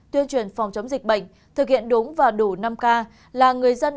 tuyên truyền phòng chống dịch bệnh thực hiện đúng và đủ năm k là người dân